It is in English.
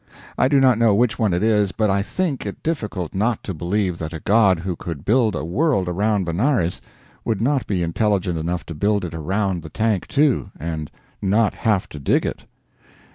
I do not know which one it is, but I think it difficult not to believe that a god who could build a world around Benares would not be intelligent enough to build it around the tank too, and not have to dig it.